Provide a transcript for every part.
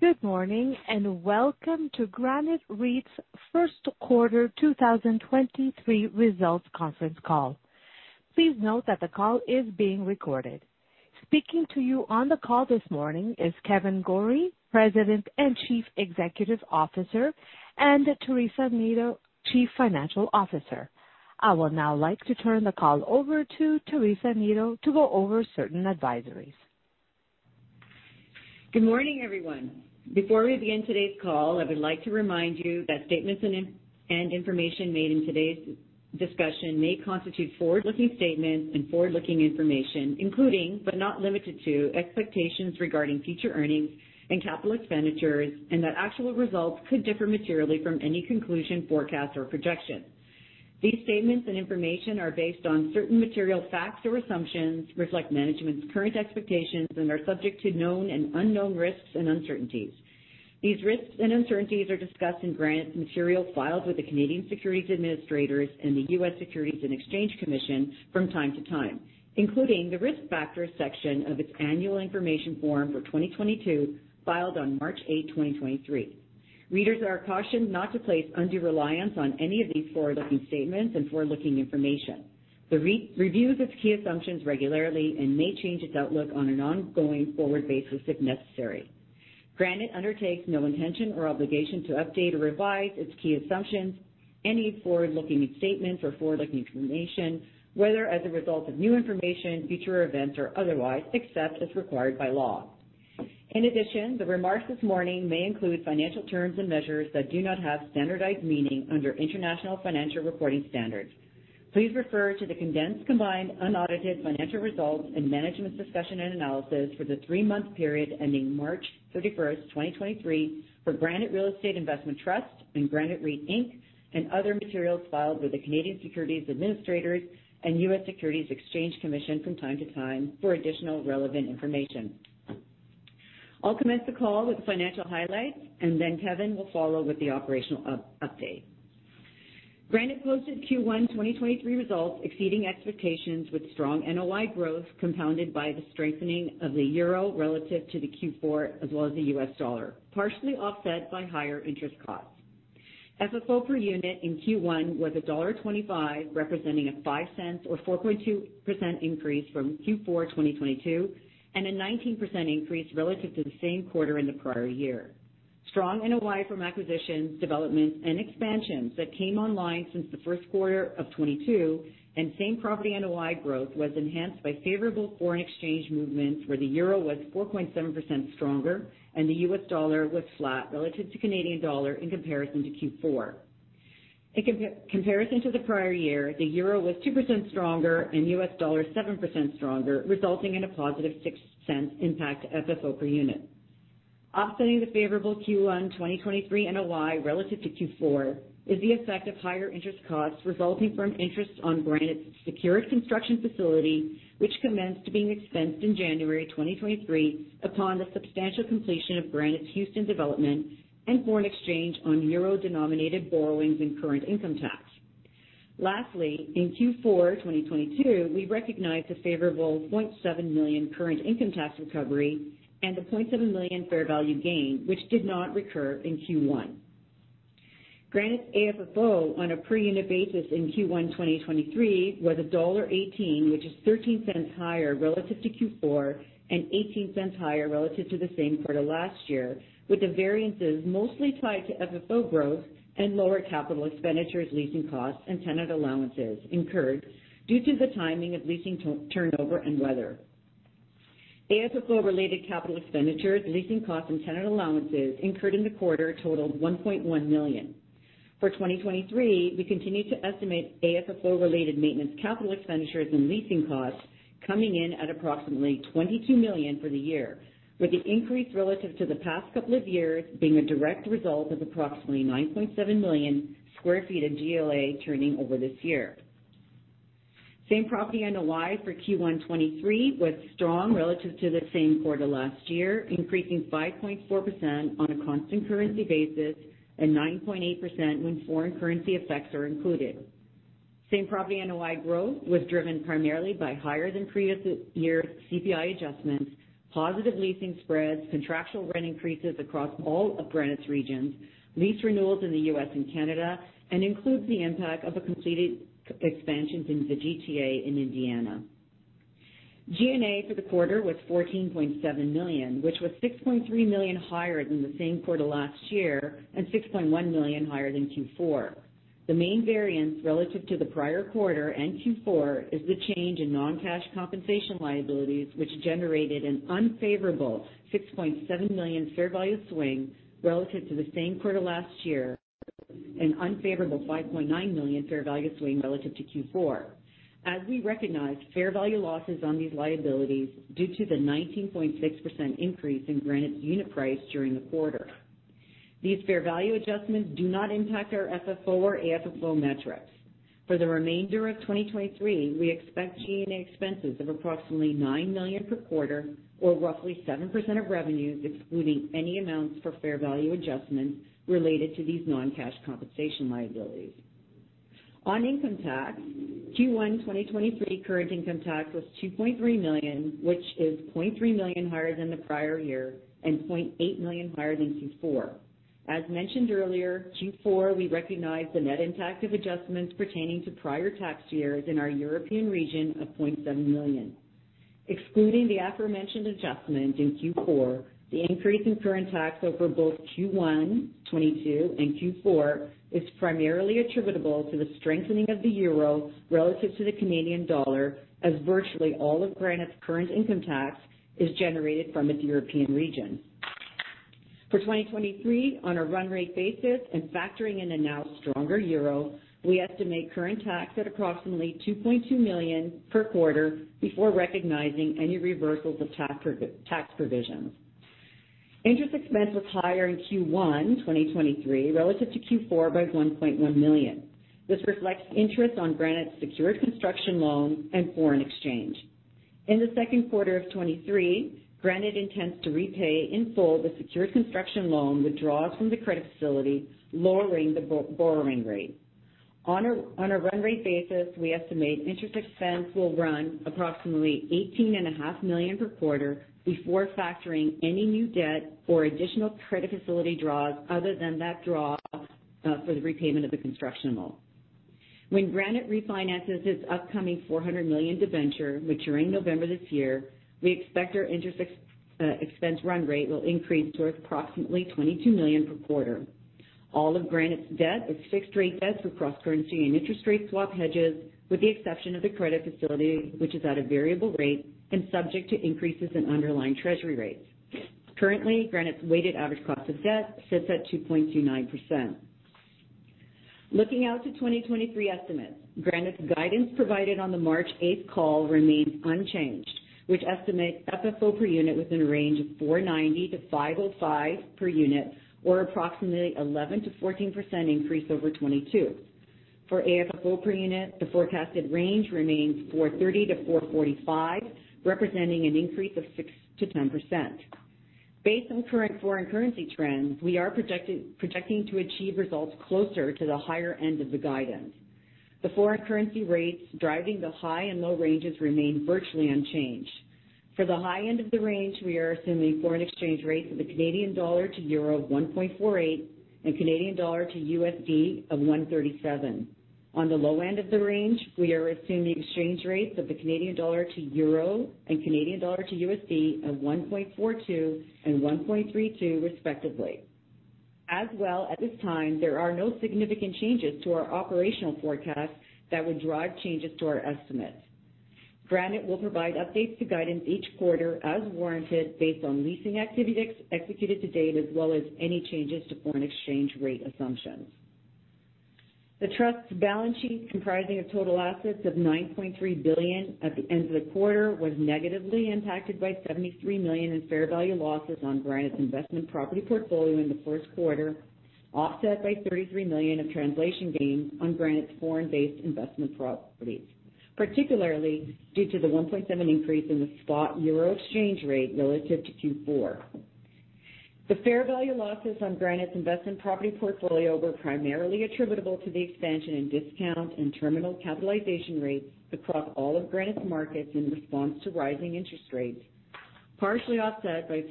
Good morning, and welcome to Granite REIT's first quarter 2023 results conference call. Please note that the call is being recorded. Speaking to you on the call this morning is Kevan Gorrie, President and Chief Executive Officer, and Teresa Neto, Chief Financial Officer. I would now like to turn the call over to Teresa Neto to go over certain advisories. Good morning, everyone. Before we begin today's call, I would like to remind you that statements and information made in today's discussion may constitute forward-looking statements and forward-looking information, including, but not limited to, expectations regarding future earnings and capital expenditures, and that actual results could differ materially from any conclusion, forecast, or projection. These statements and information are based on certain material facts or assumptions, reflect management's current expectations, and are subject to known and unknown risks and uncertainties. These risks and uncertainties are discussed in Granite's material filed with the Canadian Securities Administrators and the U.S. Securities and Exchange Commission from time to time, including the Risk Factors section of its Annual Information Form for 2022, filed on March 8, 2023. Readers are cautioned not to place undue reliance on any of these forward-looking statements and forward-looking information. The re-reviews of key assumptions regularly and may change its outlook on an ongoing forward basis if necessary. Granite undertakes no intention or obligation to update or revise its key assumptions, any forward-looking statements or forward-looking information, whether as a result of new information, future events, or otherwise, except as required by law. The remarks this morning may include financial terms and measures that do not have standardized meaning under international financial reporting standards. Please refer to the condensed combined unaudited financial results and management's discussion and analysis for the three-month period ending March 31, 2023 for Granite Real Estate Investment Trust and Granite REIT Inc., and other materials filed with the Canadian Securities Administrators and U.S. Securities and Exchange Commission from time to time for additional relevant information. I'll commence the call with financial highlights, Kevan Gorrie will follow with the operational update. Granite posted Q1 2023 results exceeding expectations with strong NOI growth, compounded by the strengthening of the euro relative to the Q4, as well as the US dollar, partially offset by higher interest costs. AFFO per unit in Q1 was $1.25, representing a $0.05 or 4.2% increase from Q4 2022, and a 19% increase relative to the same quarter in the prior year. Strong NOI from acquisitions, developments, and expansions that came online since the first quarter of 2022 and same property NOI growth was enhanced by favorable foreign exchange movements, where the EUR was 4.7% stronger and the US dollar was flat relative to Canadian dollar in comparison to Q4. In comparison to the prior year, the euro was 2% stronger and US dollar 7% stronger, resulting in a positive 0.06 impact FFO per unit. Offsetting the favorable Q1 2023 NOI relative to Q4 is the effect of higher interest costs resulting from interest on Granite's secured construction facility, which commenced to being expensed in January 2023 upon the substantial completion of Granite's Houston development and foreign exchange on euro-denominated borrowings and current income tax. Lastly, in Q4 2022, we recognized a favorable 0.7 million current income tax recovery and a 0.7 million fair value gain, which did not recur in Q1. Granite's AFFO on a per unit basis in Q1 2023 was $1.18, which is $0.13 higher relative to Q4 and $0.18 higher relative to the same quarter last year, with the variances mostly tied to FFO growth and lower capital expenditures, leasing costs, and tenant allowances incurred due to the timing of leasing turnover and weather. AFFO-related capital expenditures, leasing costs, and tenant allowances incurred in the quarter totaled $1.1 million. For 2023, we continue to estimate AFFO-related maintenance capital expenditures and leasing costs coming in at approximately $22 million for the year, with the increase relative to the past couple of years being a direct result of approximately 9.7 million sq ft of GLA turning over this year. Same property NOI for Q1 2023 was strong relative to the same quarter last year, increasing 5.4% on a constant currency basis and 9.8% when foreign currency effects are included. Same property NOI growth was driven primarily by higher than previous year CPI adjustments, positive leasing spreads, contractual rent increases across all of Granite's regions, lease renewals in the U.S. and Canada, and includes the impact of a completed expansion in the GTA in Indiana. G&A for the quarter was 14.7 million, which was 6.3 million higher than the same quarter last year and 6.1 million higher than Q4. The main variance relative to the prior quarter and Q4 is the change in non-cash compensation liabilities, which generated an unfavorable 6.7 million fair value swing relative to the same quarter last year, an unfavorable 5.9 million fair value swing relative to Q4. As we recognized, fair value loss is on these liabilities due to the 19.6% increase in Granite's unit price during the quarter. These fair value adjustments do not impact our FFO or AFFO metrics. For the remainder of 2023, we expect G&A expenses of approximately 9 million per quarter, or roughly 7% of revenues, excluding any amounts for fair value adjustments related to these non-cash compensation liabilities. On income tax, Q1 2023 current income tax was 2.3 million, which is 0.3 million higher than the prior year and 0.8 million higher than Q4. As mentioned earlier, Q4, we recognized the net impact of adjustments pertaining to prior tax years in our European region of 0.7 million. Excluding the aforementioned adjustment in Q4, the increase in current tax over both Q1 2022 and Q4 is primarily attributable to the strengthening of the euro relative to the Canadian dollar, as virtually all of Granite's current income tax is generated from its European region. For 2023, on a run rate basis and factoring in a now stronger euro, we estimate current tax at approximately 2.2 million per quarter before recognizing any reversals of tax pro-tax provision. Interest expense was higher in Q1 2023 relative to Q4 by 1.1 million. This reflects interest on Granite's secured construction loan and foreign exchange. In 2Q 2023, Granite intends to repay in full the secured construction loan withdraws from the credit facility, lowering the borrowing rate. On a run rate basis, we estimate interest expense will run approximately 18.5 million per quarter before factoring any new debt or additional credit facility draws other than that draw for the repayment of the construction loan. When Granite refinances its upcoming 400 million debenture maturing November 2023, we expect our interest expense run rate will increase to approximately 22 million per quarter. All of Granite's debt is fixed rate debt for cross-currency and interest rate swap hedges, with the exception of the credit facility, which is at a variable rate and subject to increases in underlying Treasury rates. Currently, Granite's weighted average cost of debt sits at 2.29%. Looking out to 2023 estimates. Granite's guidance provided on the March eighth call remains unchanged, which estimates FFO per unit within a range of 4.90-5.05 per unit or approximately 11%-14% increase over 2022. For AFFO per unit, the forecasted range remains 4.30-4.45, representing an increase of 6%-10%. Based on current foreign currency trends, we are projecting to achieve results closer to the higher end of the guidance. The foreign currency rates driving the high and low ranges remain virtually unchanged. For the high end of the range, we are assuming foreign exchange rates of the CAD to EUR of 1.48 and CAD to of $1.37. On the low end of the range, we are assuming exchange rates of the Canadian dollar to euro and Canadian dollar to of $1.42 and 1.32 respectively. At this time, there are no significant changes to our operational forecast that would drive changes to our estimates. Granite will provide updates to guidance each quarter as warranted based on leasing activity ex-executed to date as well as any changes to foreign exchange rate assumptions. The Trust's balance sheet, comprising of total assets of 9.3 billion at the end of the quarter, was negatively impacted by 73 million in fair value losses on Granite's investment property portfolio in the first quarter, offset by 33 million of translation gains on Granite's foreign-based investment properties, particularly due to the 1.7% increase in the spot euro exchange rate relative to Q4. The fair value losses on Granite's investment property portfolio were primarily attributable to the expansion in discount and terminal cap rates across all of Granite's markets in response to rising interest rates, partially offset by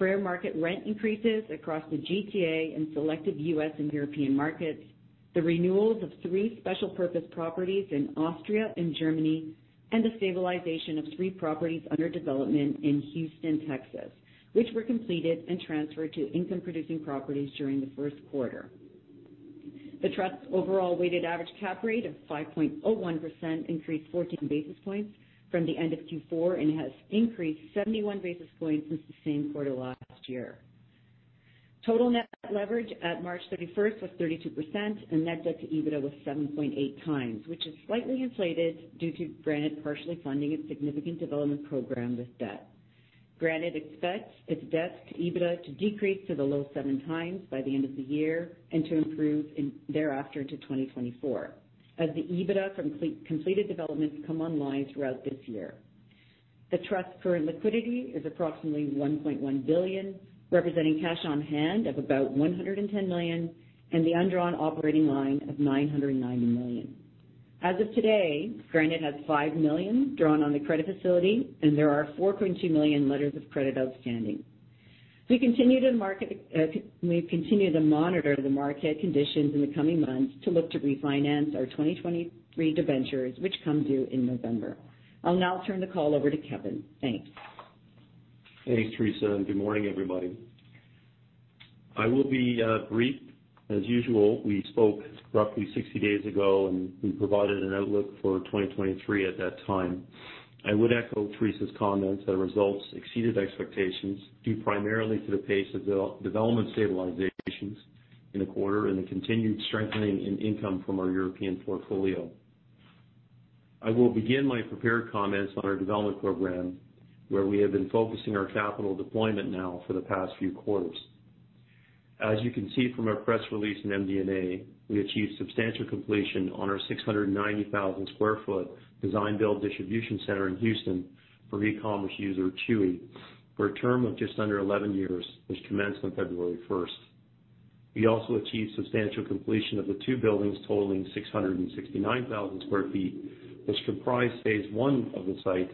fair market rent increases across the GTA and selected U.S. and European markets, the renewals of 3 special purpose properties in Austria and Germany, and the stabilization of 3 properties under development in Houston, Texas, which were completed and transferred to income-producing properties during the first quarter. The Trust's overall weighted average cap rate of 5.01 increased 14 basis points from the end of Q4 and has increased 71 basis points since the same quarter last year. Total net leverage at March 31st was 32%, and net debt to EBITDA was 7.8 times, which is slightly inflated due to Granite partially funding its significant development program with debt. Granite expects its debt to EBITDA to decrease to the low 7 times by the end of the year and to improve thereafter into 2024 as the EBITDA from completed developments come online throughout this year. The Trust's current liquidity is approximately 1.1 billion, representing cash on hand of about 110 million and the undrawn operating line of 990 million. As of today, Granite has 5 million drawn on the credit facility, and there are 4.2 million letters of credit outstanding. We continue to monitor the market conditions in the coming months to look to refinance our 2023 debentures which come due in November. I'll now turn the call over to Kevan. Thanks. Thanks, Teresa. Good morning, everybody. I will be brief. As usual, we spoke roughly 60 days ago. We provided an outlook for 2023 at that time. I would echo Teresa's comments that results exceeded expectations due primarily to the pace of development stabilizations in the quarter and the continued strengthening in income from our European portfolio. I will begin my prepared comments on our development program where we have been focusing our capital deployment now for the past few quarters. As you can see from our press release in MD&A, we achieved substantial completion on our 690,000 sq ft design build distribution center in Houston for e-commerce user Chewy for a term of just under 11 years, which commenced on February 1st. We also achieved substantial completion of the 2 buildings totaling 669,000 sq ft, which comprise phase one of the site,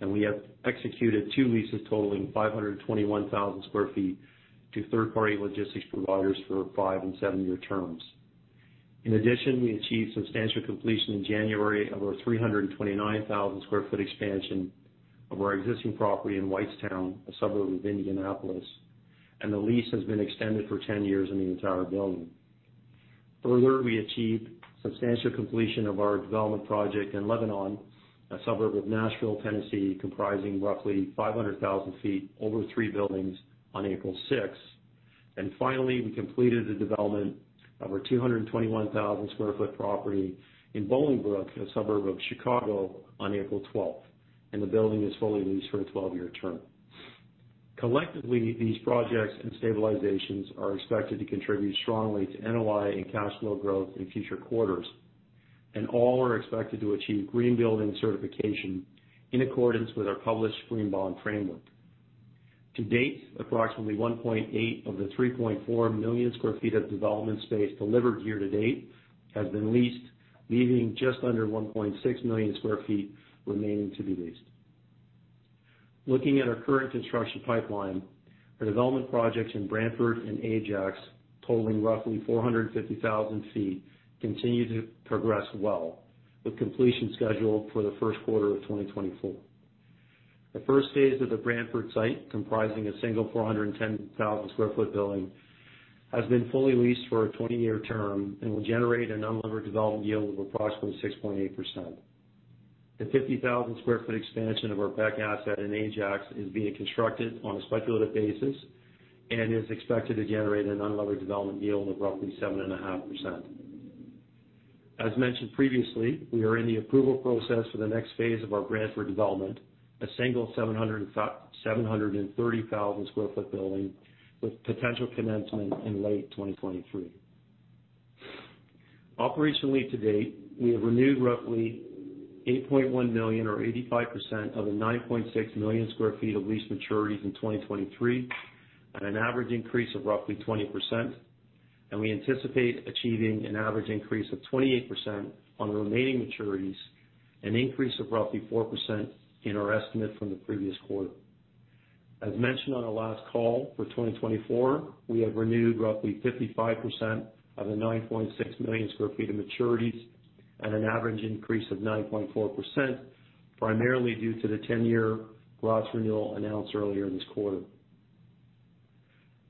and we have executed 2 leases totaling 521,000 sq ft to third-party logistics providers for 5 and 7-year terms. In addition, we achieved substantial completion in January of our 329,000 sq ft expansion of our existing property in Whitestown, a suburb of Indianapolis, and the lease has been extended for 10 years in the entire building. Further, we achieved substantial completion of our development project in Lebanon, a suburb of Nashville, Tennessee, comprising roughly 500,000 sq ft over 3 buildings on April 6th. Finally, we completed the development of our 221,000 sq ft property in Bolingbrook, a suburb of Chicago, on April 12th, and the building is fully leased for a 12-year term. Collectively, these projects and stabilizations are expected to contribute strongly to NOI and cash flow growth in future quarters, and all are expected to achieve green building certification in accordance with our published green bond framework. To date, approximately 1.8 of the 3.4 million sq ft of development space delivered year to date has been leased, leaving just under 1.6 million sq ft remaining to be leased. Looking at our current construction pipeline, our development projects in Brantford and Ajax totaling roughly 450,000 sq ft continue to progress well, with completion scheduled for the first quarter of 2024. The first phase of the Brantford site, comprising a single 410,000 sq ft building, has been fully leased for a 20-year term and will generate an unlevered development yield of approximately 6.8%. The 50,000 sq ft expansion of our Beck asset in Ajax is being constructed on a speculative basis and is expected to generate an unlevered development yield of roughly 7.5%. As mentioned previously, we are in the approval process for the next phase of our Brantford development, a single 730,000 sq ft building with potential commencement in late 2023. Operationally to date, we have renewed roughly 8.1 million or 85% of the 9.6 million sq ft of lease maturities in 2023 at an average increase of roughly 20%, and we anticipate achieving an average increase of 28% on the remaining maturities, an increase of roughly 4% in our estimate from the previous quarter. As mentioned on our last call for 2024, we have renewed roughly 55% of the 9.6 million sq ft of maturities at an average increase of 9.4%, primarily due to the 10-year Graz renewal announced earlier this quarter.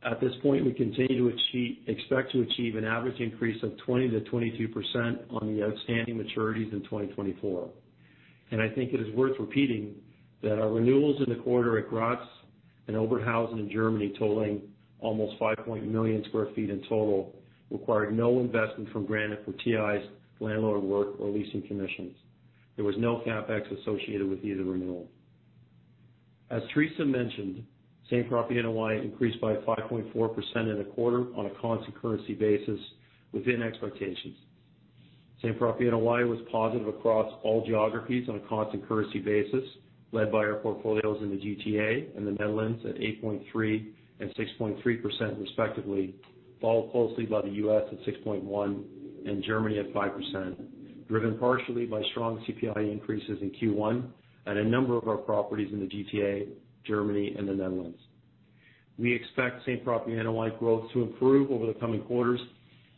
At this point, we expect to achieve an average increase of 20%-22% on the outstanding maturities in 2024. I think it is worth repeating that our renewals in the quarter at Graz and Oberhausen in Germany totaling almost 5 million square feet in total required no investment from Granite for TIs, landlord work, or leasing commissions. There was no CapEx associated with either renewal. As Teresa mentioned, same-property NOI increased by 5.4% in the quarter on a constant currency basis within expectations. Same-property NOI was positive across all geographies on a constant currency basis, led by our portfolios in the GTA and the Netherlands at 8.3% and 6.3% respectively, followed closely by the U.S. at 6.1% and Germany at 5%, driven partially by strong CPI increases in Q1 at a number of our properties in the GTA, Germany, and the Netherlands. We expect same-property NOI growth to improve over the coming quarters.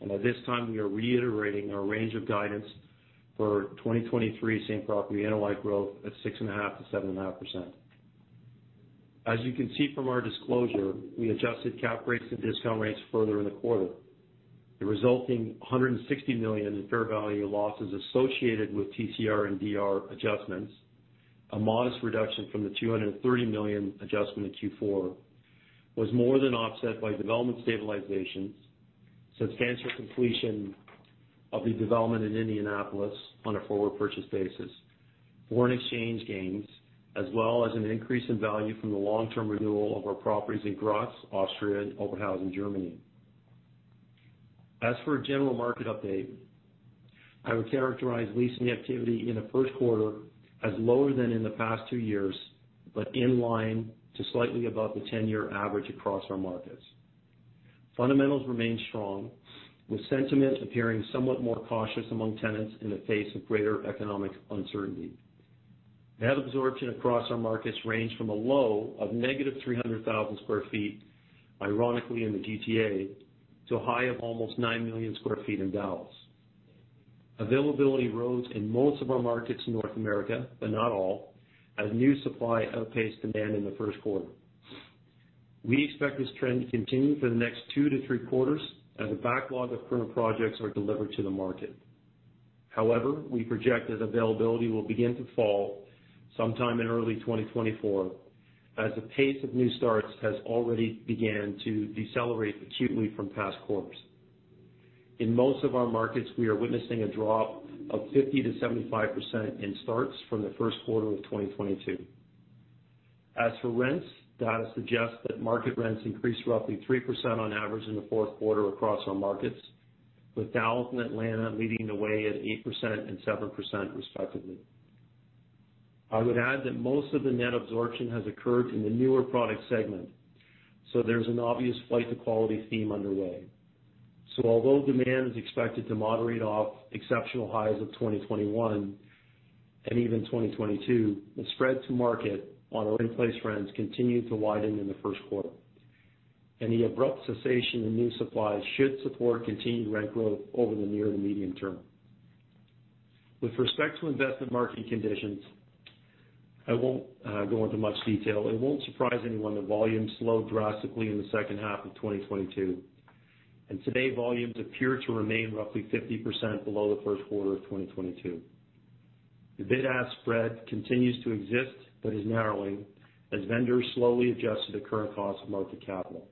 At this time we are reiterating our range of guidance for 2023 same-property NOI growth at 6.5%-7.5%. As you can see from our disclosure, we adjusted cap rates and discount rates further in the quarter. The resulting 160 million in fair value losses associated with TCR and DR adjustments, a modest reduction from the 230 million adjustment in Q4, was more than offset by development stabilizations, substantial completion of the development in Indianapolis on a forward purchase basis, foreign exchange gains, as well as an increase in value from the long-term renewal of our properties in Graz, Austria, and Oberhausen, Germany. As for a general market update, I would characterize leasing activity in the first quarter as lower than in the past 2 years, but in line to slightly above the 10-year average across our markets. Fundamentals remain strong, with sentiment appearing somewhat more cautious among tenants in the face of greater economic uncertainty. Net absorption across our markets ranged from a low of negative 300,000 sq ft, ironically in the GTA, to a high of almost 9 million sq ft in Dallas. Availability rose in most of our markets in North America, but not all, as new supply outpaced demand in the first quarter. We expect this trend to continue for the next 2 to 3 quarters as the backlog of current projects are delivered to the market. We project that availability will begin to fall sometime in early 2024, as the pace of new starts has already began to decelerate acutely from past quarters. In most of our markets, we are witnessing a drop of 50%-75% in starts from the first quarter of 2022. As for rents, data suggests that market rents increased roughly 3% on average in the fourth quarter across our markets, with Dallas and Atlanta leading the way at 8% and 7% respectively. I would add that most of the net absorption has occurred in the newer product segment, so there's an obvious flight to quality theme underway. Although demand is expected to moderate off exceptional highs of 2021 and even 2022, the spread to market on in-place rents continued to widen in the 1st quarter, and the abrupt cessation in new supply should support continued rent growth over the near to medium term. With respect to investment market conditions, I won't go into much detail. It won't surprise anyone that volume slowed drastically in the second half of 2022, and today volumes appear to remain roughly 50% below the 1st quarter of 2022. The bid-ask spread continues to exist, but is narrowing as vendors slowly adjust to the current cost of market capital.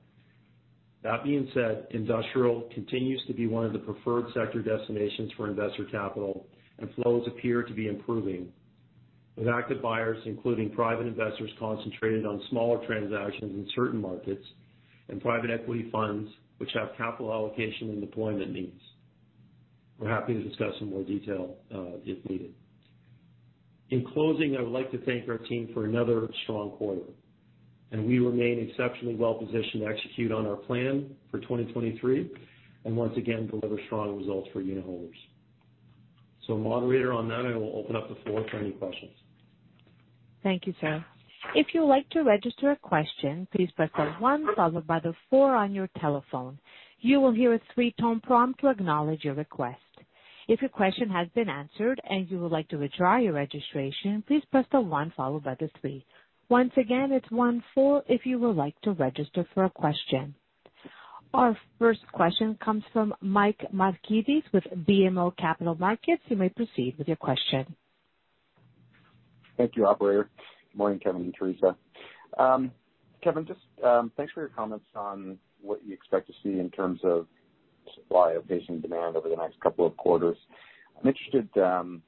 That being said, industrial continues to be one of the preferred sector destinations for investor capital, and flows appear to be improving, with active buyers, including private investors concentrated on smaller transactions in certain markets and private equity funds which have capital allocation and deployment needs. We're happy to discuss in more detail if needed. In closing, I would like to thank our team for another strong quarter, and we remain exceptionally well-positioned to execute on our plan for 2023, and once again, deliver strong results for unitholders. Moderator, on that, I will open up the floor for any questions. Thank you, sir. If you would like to register a question, please press the one followed by the four on your telephone. You will hear a three-tone prompt to acknowledge your request. If your question has been answered and you would like to withdraw your registration, please press the one followed by the three. Once again, it's one-four if you would like to register for a question. Our first question comes from Mike Markidis with BMO Capital Markets. You may proceed with your question. Thank you, operator. Morning, Kevan and Teresa. Kevan, just thanks for your comments on what you expect to see in terms of supply of patient demand over the next couple of quarters. I'm interested to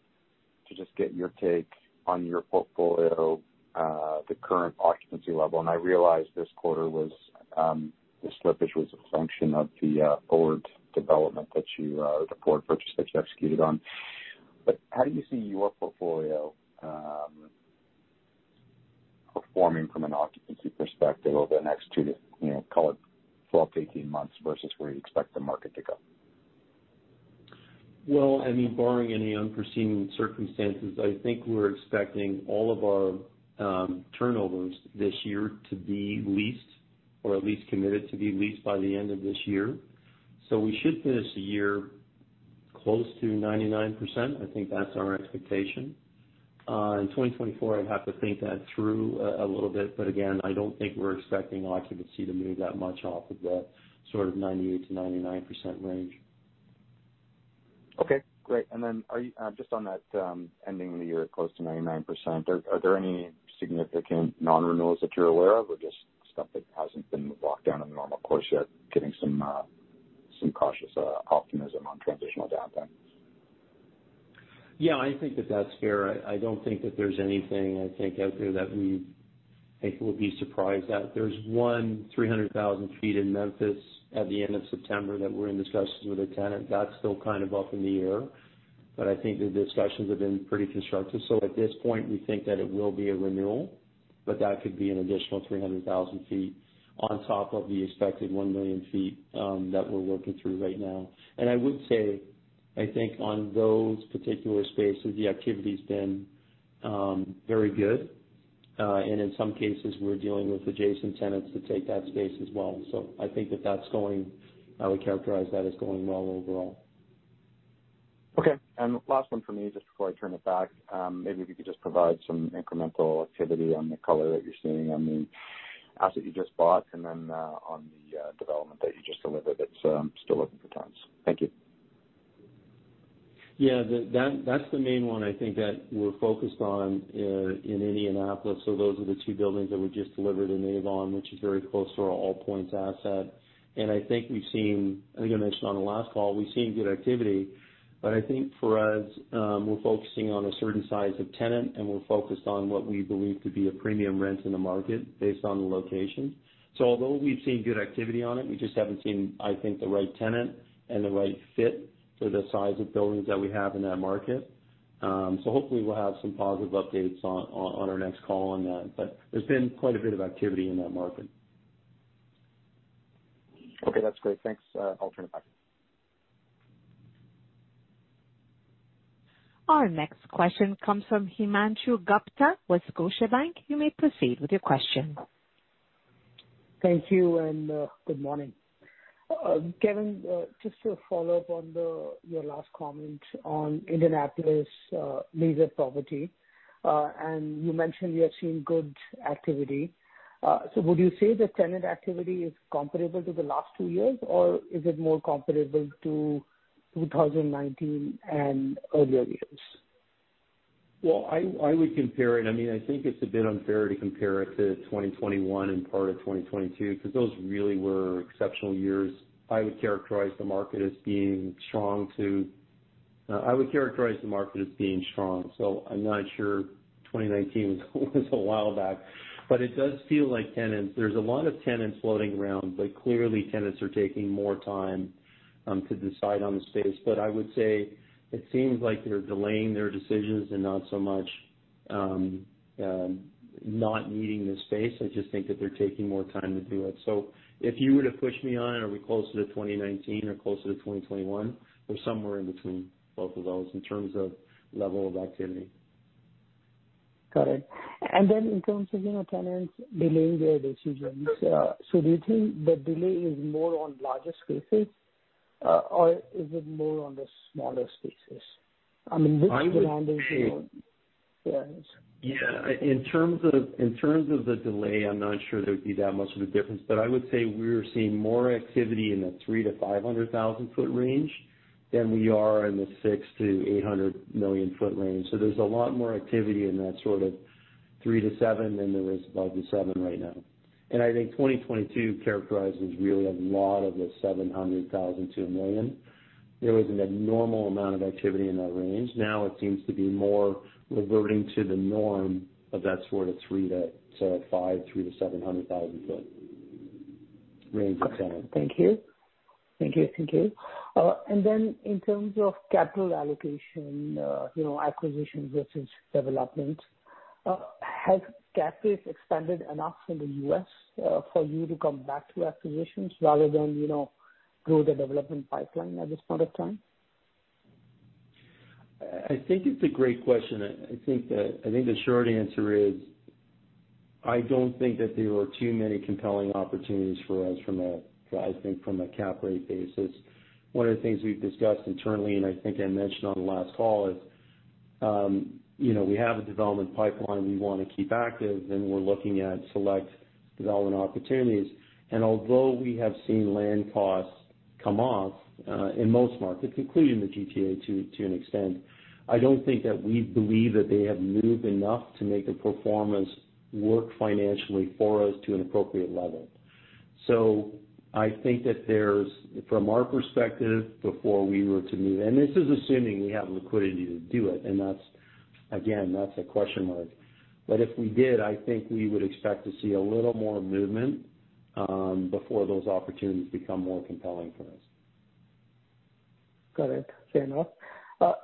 just get your take on your portfolio, the current occupancy level. I realize this quarter was the slippage was a function of the forward purchase that you executed on. How do you see your portfolio performing from an occupancy perspective over the next 2 to, you know, call it 12-18 months versus where you expect the market to go? I mean, barring any unforeseen circumstances, I think we're expecting all of our turnovers this year to be leased or at least committed to be leased by the end of this year. We should finish the year close to 99%. I think that's our expectation. In 2024, I'd have to think that through a little bit, but again, I don't think we're expecting occupancy to move that much off of that sort of 98%-99% range. Okay, great. Are you just on that, ending the year at close to 99%, are there any significant non-renewals that you're aware of or just stuff that hasn't been locked down on the normal course yet, getting some cautious optimism on transitional down things? I think that that's fair. I don't think that there's anything, I think out there that we think we'll be surprised at. There's 1 300,000 sq ft in Memphis at the end of September that we're in discussions with a tenant. That's still kind of up in the air, but I think the discussions have been pretty constructive. At this point, we think that it will be a renewal, but that could be an additional 300,000 sq ft on top of the expected 1 million sq ft that we're working through right now. I would say, I think on those particular spaces, the activity's been very good. In some cases, we're dealing with adjacent tenants to take that space as well. I think that that's going. I would characterize that as going well overall. Okay. Last one for me, just before I turn it back. Maybe if you could just provide some incremental activity on the color that you're seeing on the asset you just bought, and then on the development that you just delivered that's still open for tenants. Thank you. Yeah. That's the main one I think that we're focused on in Indianapolis. Those are the two buildings that we just delivered in Avon, which is very close to our AllPoints asset. I think I mentioned on the last call, we've seen good activity. I think for us, we're focusing on a certain size of tenant, and we're focused on what we believe to be a premium rent in the market based on the location. Although we've seen good activity on it, we just haven't seen, I think, the right tenant and the right fit for the size of buildings that we have in that market. Hopefully we'll have some positive updates on our next call on that. There's been quite a bit of activity in that market. Okay, that's great. Thanks. I'll turn it back. Our next question comes from Himanshu Gupta with Scotiabank. You may proceed with your question. Thank you, good morning. Kevan, just to follow up on your last comment on Indianapolis, leisure property. You mentioned you're seeing good activity. Would you say the tenant activity is comparable to the last two years, or is it more comparable to 2019 and earlier years? Well, I would compare it... I mean, I think it's a bit unfair to compare it to 2021 and part of 2022, because those really were exceptional years. I would characterize the market as being strong. I'm not sure, 2019 was a while back. It does feel like there's a lot of tenants floating around, but clearly tenants are taking more time to decide on the space. I would say it seems like they're delaying their decisions and not so much not needing the space. I just think that they're taking more time to do it. If you were to push me on, are we closer to 2019 or closer to 2021, we're somewhere in between both of those in terms of level of activity. Got it. In terms of, you know, tenants delaying their decisions, do you think the delay is more on larger spaces, or is it more on the smaller spaces? I mean, which demand is it? Yeah. In terms of, in terms of the delay, I'm not sure there'd be that much of a difference. I would say we're seeing more activity in the 300,000-500,000 foot range than we are in the 600-800 million foot range. There's a lot more activity in that sort of 3-7 than there is above the 7 right now. I think 2022 characterized as really a lot of the 700,000-1 million. There was an abnormal amount of activity in that range. Now it seems to be more reverting to the norm of that sort of 3 to sort of 5, 300,000-700,000 foot range of tenant. Okay. Thank you. Thank you. Thank you. And then in terms of capital allocation, you know, acquisition versus development, has cap rates expanded enough in the U.S. for you to come back to acquisitions rather than, you know, grow the development pipeline at this point of time? I think it's a great question. I think the short answer is, I don't think that there are too many compelling opportunities for us from a cap rate basis. One of the things we've discussed internally, and I think I mentioned on the last call, is, you know, we have a development pipeline we want to keep active, we're looking at select development opportunities. Although we have seen land costs come off in most markets, including the GTA to an extent, I don't think that we believe that they have moved enough to make the performance work financially for us to an appropriate level. I think that there's from our perspective, before we were to move, this is assuming we have liquidity to do it, that's, again, that's a question mark. If we did, I think we would expect to see a little more movement, before those opportunities become more compelling for us. Got it. Fair enough.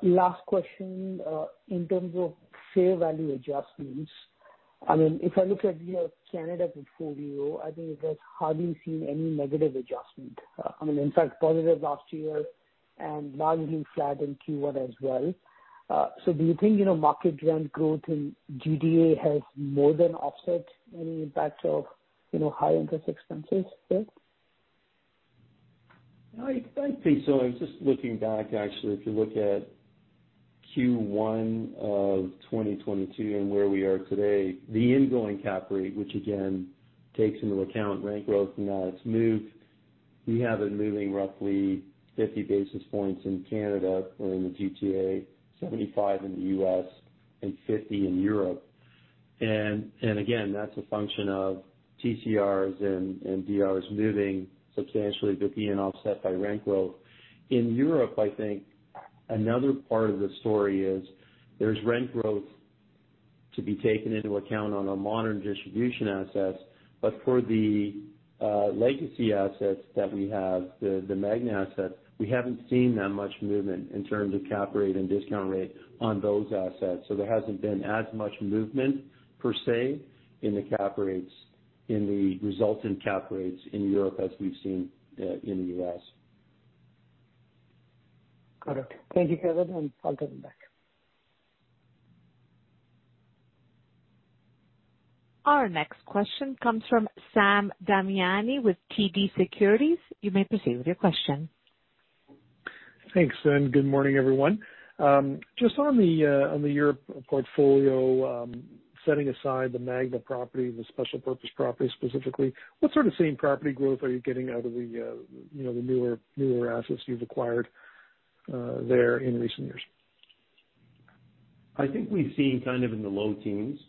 Last question, in terms of fair value adjustments, I mean, if I look at your Canada portfolio, I think it has hardly seen any negative adjustment. I mean, in fact, positive last year and largely flat in Q1 as well. Do you think, you know, market rent growth in GDA has more than offset any impact of, you know, high interest expenses there? I think so. I was just looking back, actually. If you look at Q1 of 2022 and where we are today, the ingoing cap rate, which again takes into account rent growth now it's moved, we have it moving roughly 50 basis points in Canada or in the GTA, 75 in the U.S., and 50 in Europe. Again, that's a function of TCRs and DRs moving substantially but being offset by rent growth. In Europe, I think another part of the story is there's rent growth to be taken into account on our modern distribution assets. For the legacy assets that we have, the Magna assets, we haven't seen that much movement in terms of cap rate and discount rate on those assets. There hasn't been as much movement per se in the resultant cap rates in Europe as we've seen in the U.S. Got it. Thank you, Kevan. I'll give it back. Our next question comes from Sam Damiani with TD Securities. You may proceed with your question. Thanks. Good morning, everyone. Just on the on the Europe portfolio, setting aside the Magna property, the special purpose property specifically, what sort of same property growth are you getting out of the, you know, the newer assets you've acquired, there in recent years? I think we've seen kind of in the low teens.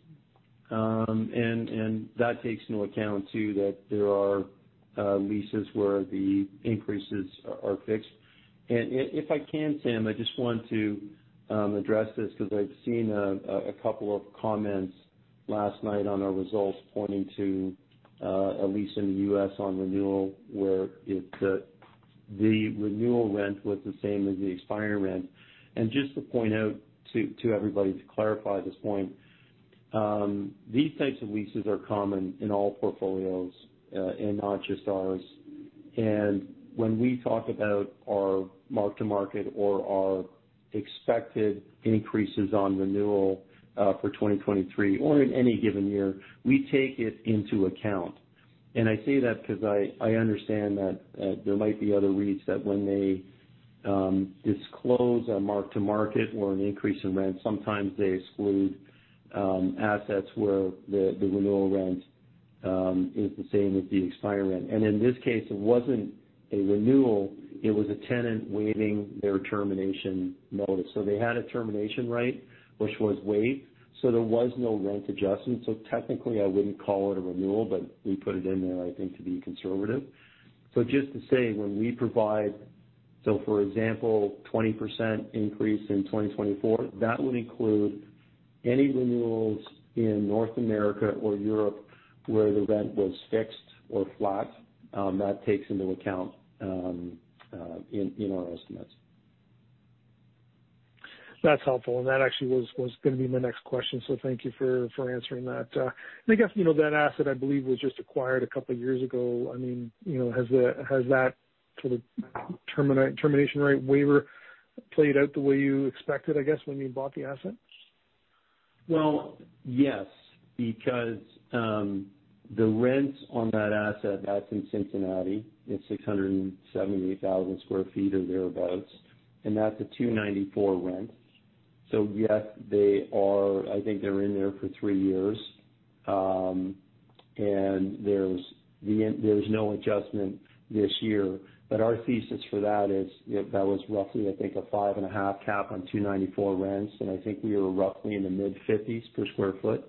That takes into account too that there are leases where the increases are fixed. If I can, Sam, I just want to address this because I've seen a couple of comments last night on our results pointing to a lease in the U.S. on renewal where it, the renewal rent was the same as the expire rent. Just to point out to everybody to clarify this point, these types of leases are common in all portfolios, and not just ours. When we talk about our mark-to-market or our expected increases on renewal, for 2023 or in any given year, we take it into account. I say that because I understand that there might be other REITs that when they disclose a mark-to-market or an increase in rent, sometimes they exclude assets where the renewal rent is the same as the expire rent. In this case, it wasn't a renewal, it was a tenant waiving their termination notice. They had a termination right, which was waived. There was no rent adjustment. Technically, I wouldn't call it a renewal, but we put it in there, I think, to be conservative. Just to say, when we provide... for example, 20% increase in 2024, that would include any renewals in North America or Europe where the rent was fixed or flat, that takes into account in our estimates. That's helpful. That actually was gonna be my next question, so thank you for answering that. I guess, you know, that asset, I believe, was just acquired a couple years ago. I mean, you know, has that sort of termination rate waiver played out the way you expected, I guess, when you bought the asset? Yes, because the rents on that asset, that's in Cincinnati. It's 678,000 sq ft or thereabouts, that's a $2.94 rent. Yes, I think they're in there for 3 years. There's no adjustment this year. Our thesis for that is, you know, that was roughly, I think, a 5.5 cap on $2.94 rents, I think we were roughly in the mid-$50s per sq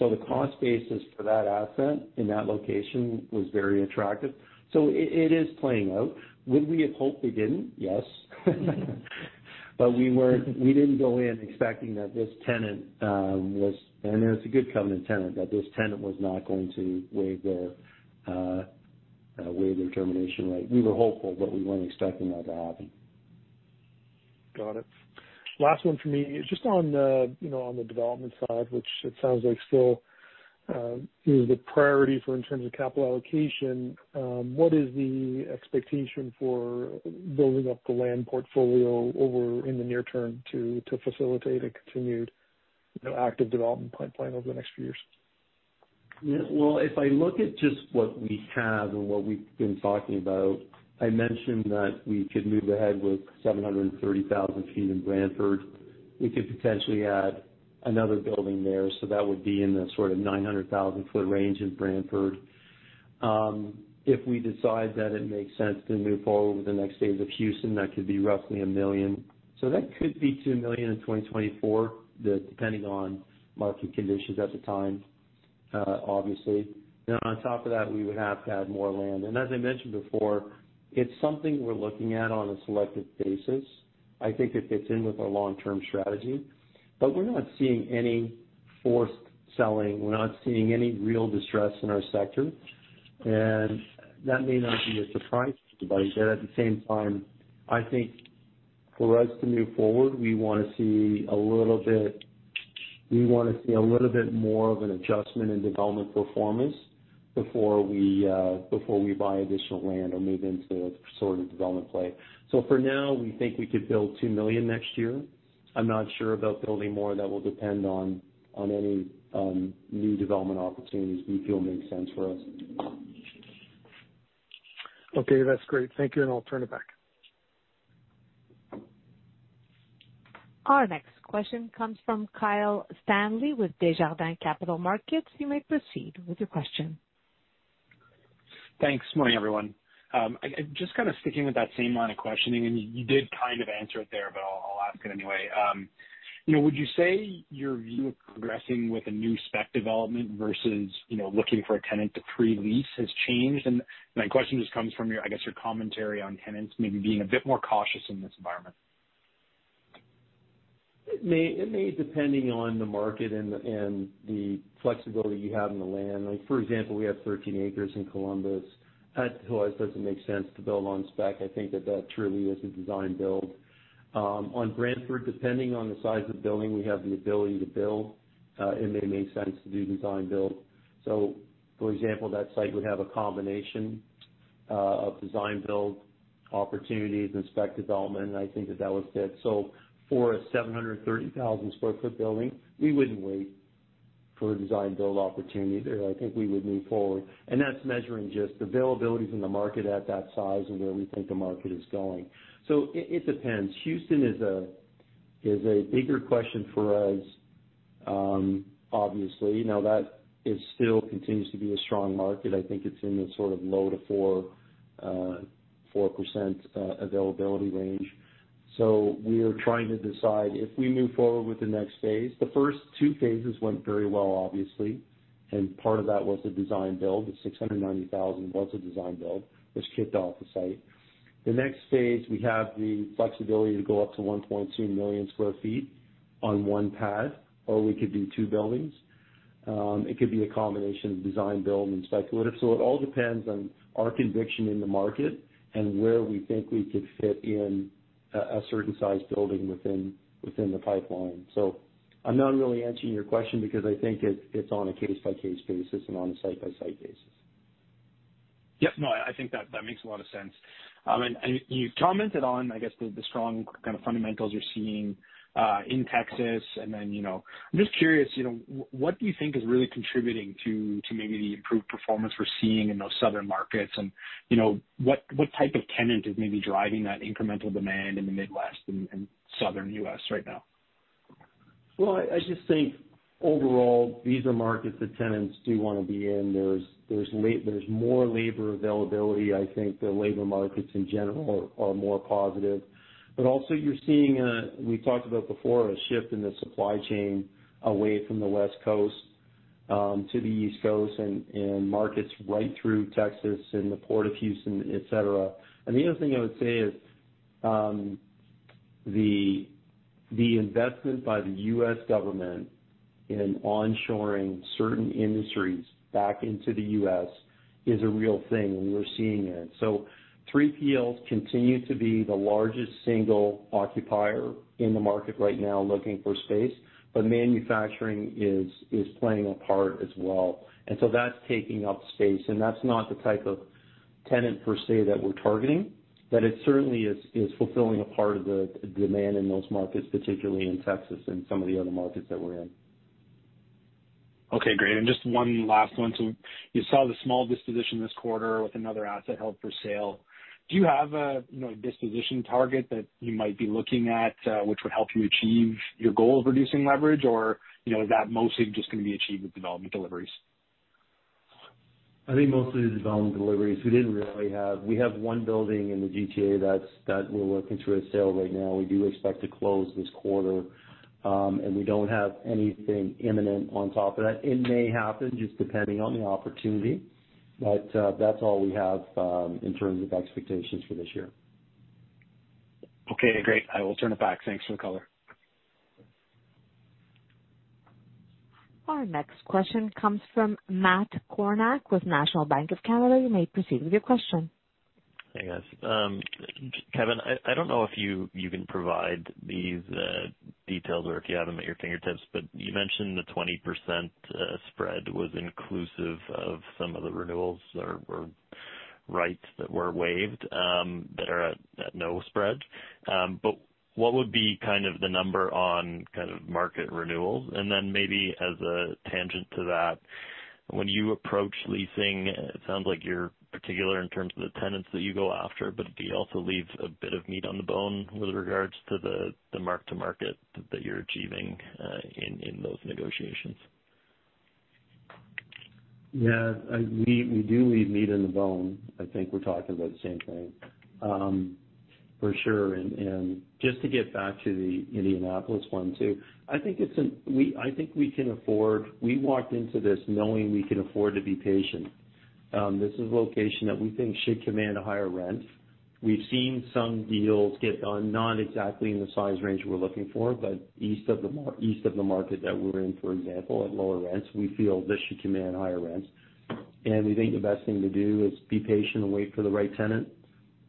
ft. The cost basis for that asset in that location was very attractive. It, it is playing out. Would we have hoped it didn't? Yes. We didn't go in expecting that this tenant, it's a good covenant tenant, that this tenant was not going to waive their termination rate. We were hopeful, but we weren't expecting that to happen. Got it. Last one for me. Just on the, you know, on the development side, which it sounds like still, is the priority for in terms of capital allocation, what is the expectation for building up the land portfolio over in the near term to facilitate a continued, you know, active development plan over the next few years? Well, if I look at just what we have and what we've been talking about, I mentioned that we could move ahead with 730,000 sq ft in Brantford. We could potentially add another building there. That would be in the sort of 900,000 sq ft range in Brantford. If we decide that it makes sense to move forward with the next phase of Houston, that could be roughly 1 million. That could be 2 million in 2024, depending on market conditions at the time, obviously. On top of that, we would have to add more land. As I mentioned before, it's something we're looking at on a selective basis. I think it fits in with our long-term strategy. We're not seeing any forced selling. We're not seeing any real distress in our sector, that may not be a surprise to anybody. At the same time, I think for us to move forward, we wanna see a little bit more of an adjustment in development performance before we buy additional land or move into a sort of development play. For now, we think we could build 2 million CAD next year. I'm not sure about building more. That will depend on any new development opportunities we feel make sense for us. Okay. That's great. Thank you, and I'll turn it back. Our next question comes from Kyle Stanley with Desjardins Capital Markets. You may proceed with your question. Thanks. Morning, everyone. just kind of sticking with that same line of questioning, and you did kind of answer it there, but I'll ask it anyway. you know, would you say your view of progressing with a new spec development versus, you know, looking for a tenant to pre-lease has changed? My question just comes from your, I guess, your commentary on tenants maybe being a bit more cautious in this environment. It may depending on the market and the flexibility you have in the land. Like for example, we have 13 acres in Columbus. That to us doesn't make sense to build on spec. I think that that truly is a design build. On Brantford, depending on the size of building we have the ability to build, it may make sense to do design build. For example, that site would have a combination of design build opportunities and spec development, and I think that that would fit. For a 730,000 sq ft building, we wouldn't wait for a design build opportunity there. I think we would move forward. That's measuring just the availabilities in the market at that size and where we think the market is going. It depends. Houston is a bigger question for us, obviously. That is still continues to be a strong market. I think it's in the sort of low to 4% availability range. We're trying to decide if we move forward with the next phase. The first two phases went very well, obviously, and part of that was the design build. The 690,000 was a design build, which kicked off the site. The next phase, we have the flexibility to go up to 1.2 million sq ft on one pad, or we could do two buildings. It could be a combination of design build and speculative. It all depends on our conviction in the market and where we think we could fit in a certain size building within the pipeline. I'm not really answering your question because I think it's on a case-by-case basis and on a site-by-site basis. Yeah. No, I think that makes a lot of sense. You commented on, I guess, the strong kind of fundamentals you're seeing in Texas then, you know. I'm just curious, you know, what do you think is really contributing to maybe the improved performance we're seeing in those southern markets? What type of tenant is maybe driving that incremental demand in the Midwest and Southern U.S. right now? I just think overall, these are markets that tenants do wanna be in. There's more labor availability. I think the labor markets in general are more positive. Also you're seeing, we talked about before, a shift in the supply chain away from the West Coast to the East Coast and markets right through Texas and the Port of Houston, et cetera. The other thing I would say is, The investment by the U.S. government in onshoring certain industries back into the U.S. is a real thing, and we're seeing it. 3PLs continue to be the largest single occupier in the market right now looking for space, but manufacturing is playing a part as well. That's taking up space, and that's not the type of tenant per se that we're targeting. It certainly is fulfilling a part of the demand in those markets, particularly in Texas and some of the other markets that we're in. Okay, great. Just one last one. You saw the small disposition this quarter with another asset held for sale. Do you have a, you know, disposition target that you might be looking at, which would help you achieve your goal of reducing leverage? You know, is that mostly just going to be achieved with development deliveries? I think mostly the development deliveries. We didn't really have. We have one building in the GTA that we're working through a sale right now. We do expect to close this quarter. We don't have anything imminent on top of that. It may happen just depending on the opportunity, but that's all we have in terms of expectations for this year. Okay, great. I will turn it back. Thanks for the color. Our next question comes from Matt Kornack with National Bank of Canada. You may proceed with your question. Hey, guys. Kevin, I don't know if you can provide these details or if you have them at your fingertips. You mentioned the 20% spread was inclusive of some of the renewals or rights that were waived that are at no spread. What would be kind of the number on kind of market renewals? Maybe as a tangent to that, when you approach leasing, it sounds like you're particular in terms of the tenants that you go after, but do you also leave a bit of meat on the bone with regards to the mark-to-market that you're achieving in those negotiations? Yeah, we do leave meat on the bone. I think we're talking about the same thing. For sure. Just to get back to the Indianapolis one too. I think we walked into this knowing we can afford to be patient. This is a location that we think should command a higher rent. We've seen some deals get done, not exactly in the size range we're looking for, but east of the market that we're in, for example, at lower rents. We feel this should command higher rents. We think the best thing to do is be patient and wait for the right tenant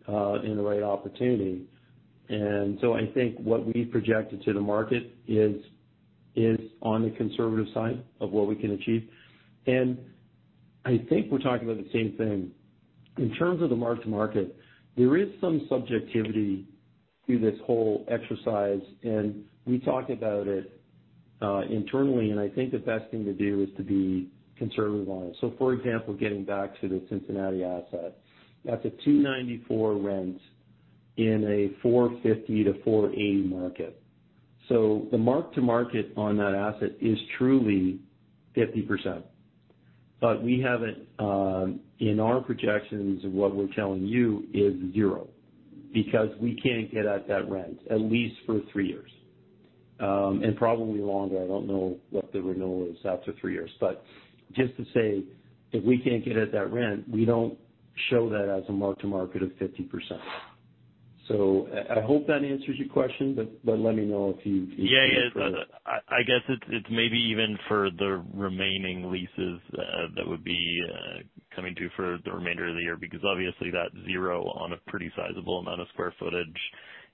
and the right opportunity. I think what we projected to the market is on the conservative side of what we can achieve. I think we're talking about the same thing. In terms of the mark-to-market, there is some subjectivity to this whole exercise, and we talked about it internally, and I think the best thing to do is to be conservative on it. For example, getting back to the Cincinnati asset. That's a $294 rent in a $450-$480 market. The mark-to-market on that asset is truly 50%. We have it in our projections of what we're telling you is 0, because we can't get at that rent, at least for 3 years, and probably longer. I don't know what the renewal is after 3 years. Just to say, if we can't get at that rent, we don't show that as a mark-to-market of 50%. I hope that answers your question, but let me know if you. Yeah, yeah. It's, I guess it's maybe even for the remaining leases, that would be, coming due for the remainder of the year, because obviously that 0 on a pretty sizable amount of square footage,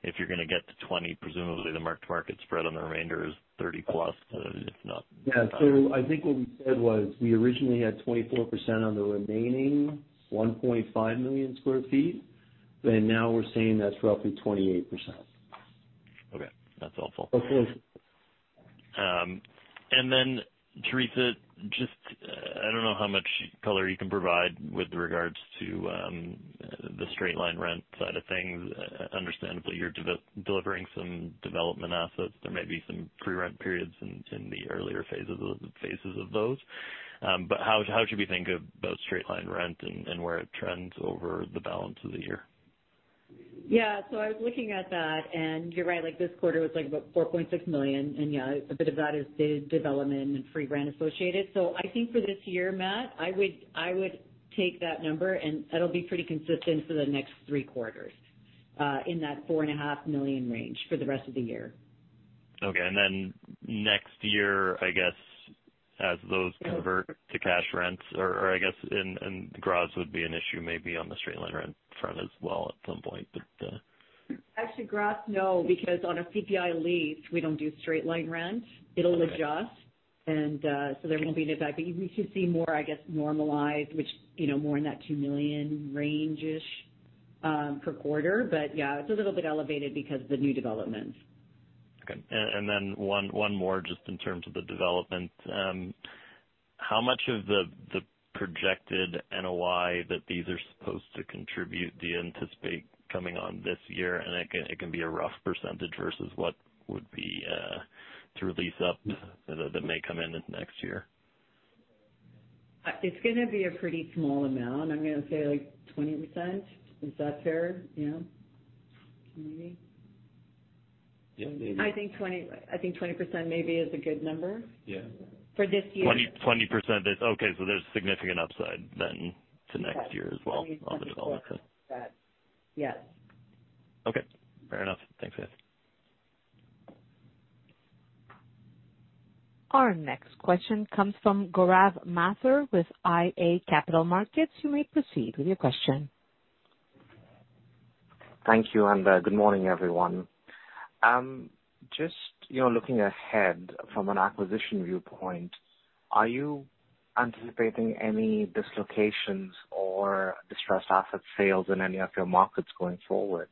if you're gonna get to 20, presumably the mark-to-market spread on the remainder is 30+, if not... Yeah. I think what we said was we originally had 24% on the remaining 1.5 million sq ft, and now we're saying that's roughly 28%. Okay, that's all. Okay. Teresa, just, I don't know how much color you can provide with regards to the straight-line rent side of things. Understandably, you're delivering some development assets. There may be some pre-rent periods in the earlier phases of those. How should we think of both straight-line rent and where it trends over the balance of the year? Yeah. I was looking at that, and you're right, this quarter was 4.6 million. A bit of that is de-development and free rent associated. I think for this year, Matt, I would take that number and that'll be pretty consistent for the next 3 quarters, in that 4.5 million range for the rest of the year. Okay. Then next year, I guess as those convert to cash rents or I guess and grass would be an issue maybe on the straight-line rent front as well at some point, but. Actually, grass, no, because on a CPI lease, we don't do straight-line rent. Okay. It'll adjust. There won't be an effect. You could see more, I guess, normalized, which, you know, more in that 2 million range-ish per quarter. Yeah, it's a little bit elevated because of the new developments. Okay. One more just in terms of the development. How much of the projected NOI that these are supposed to contribute do you anticipate coming on this year? It can be a rough % versus what would be to release up that may come in next year. It's gonna be a pretty small amount. I'm gonna say like 20%. Is that fair? Yeah. Maybe. Yeah, maybe. I think 20% maybe is a good number. Yeah. For this year. 20%. Okay, there's significant upside then to next year as well on the development. Yes. Okay. Fair enough. Thanks, guys. Our next question comes from Gaurav Mathur with iA Capital Markets. You may proceed with your question. Thank you, good morning, everyone. Just, you know, looking ahead from an acquisition viewpoint, are you anticipating any dislocations or distressed asset sales in any of your markets going forward?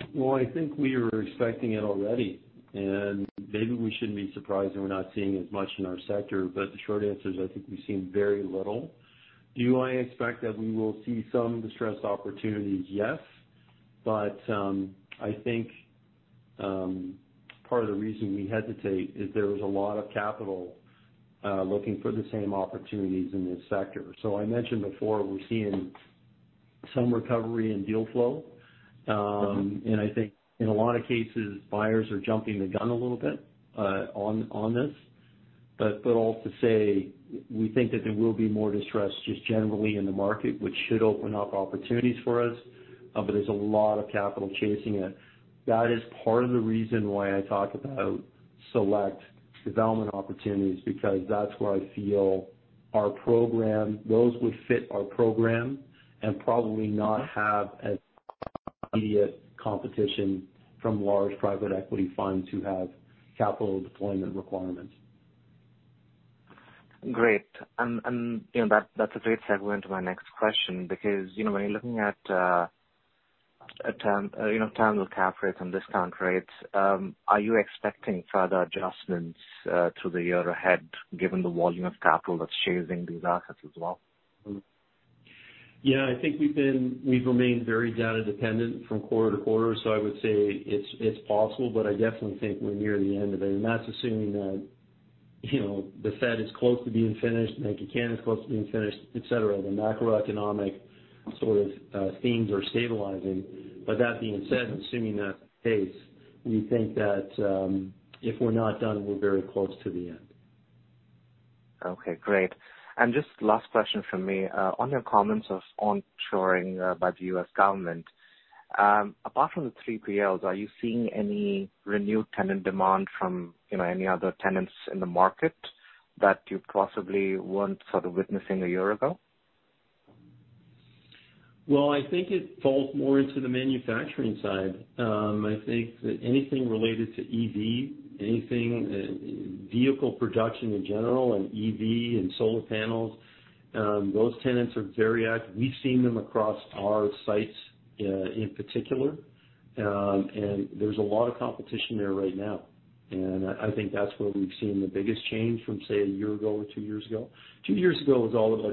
I think we were expecting it already, and maybe we shouldn't be surprised that we're not seeing as much in our sector. The short answer is, I think we've seen very little. Do I expect that we will see some distressed opportunities? Yes. I think, part of the reason we hesitate is there is a lot of capital looking for the same opportunities in this sector. I mentioned before, we're seeing some recovery in deal flow. I think in a lot of cases, buyers are jumping the gun a little bit on this. All to say, we think that there will be more distress just generally in the market, which should open up opportunities for us, but there's a lot of capital chasing it. That is part of the reason why I talk about select development opportunities because that's where I feel those would fit our program and probably not have as immediate competition from large private equity funds who have capital deployment requirements. Great. you know, that's a great segue into my next question because, you know, when you're looking at term, you know, term cap rates and discount rates, are you expecting further adjustments, to the year ahead given the volume of capital that's chasing these assets as well? I think we've remained very data dependent from quarter to quarter, I would say it's possible, but I definitely think we're near the end of it. That's assuming that, you know, the Fed is close to being finished, Bank of Canada is close to being finished, et cetera. The macroeconomic sort of themes are stabilizing. That being said, assuming that pace, we think that, if we're not done, we're very close to the end. Okay. Great. Just last question from me. On your comments of onshoring by the U.S. government. Apart from the 3PLs, are you seeing any renewed tenant demand from, you know, any other tenants in the market that you possibly weren't sort of witnessing a year ago? I think it falls more into the manufacturing side. I think that anything related to EV, anything vehicle production in general and EV and solar panels, those tenants are very active. We've seen them across our sites in particular. There's a lot of competition there right now. I think that's where we've seen the biggest change from, say, a year ago or 2 years ago. 2 years ago, it was all about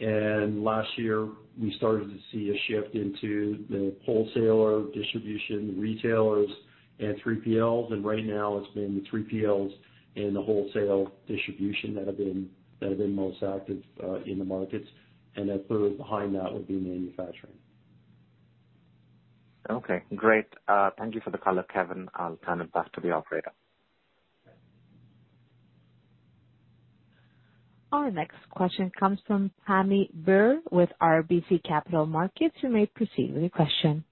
e-commerce. Last year, we started to see a shift into the wholesaler, distribution, retailers, and 3PLs. Right now it's been the 3PLs and the wholesale distribution that have been most active in the markets. Further behind that would be manufacturing. Okay, great. Thank you for the color, Kevan. I'll turn it back to the operator. Our next question comes from Pammi Bir with RBC Capital Markets. You may proceed with your question.